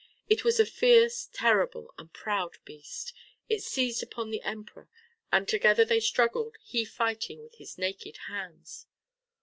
It was a fierce, terrible, and proud beast. It seized upon the Emperor, and together they struggled, he fighting with his naked hands.